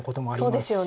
そうですよね。